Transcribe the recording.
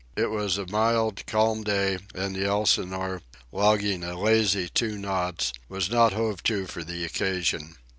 It was a mild, calm day, and the Elsinore, logging a lazy two knots, was not hove to for the occasion.